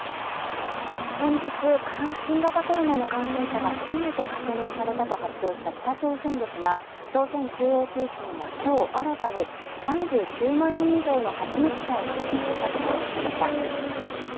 先日新型コロナの感染者が初めて確認されたと発表した北朝鮮ですが朝鮮中央通信は今日新たに３９万人以上の発熱者を確認したと報じました。